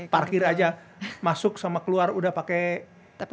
parkir aja masuk sama keluar udah pakai tps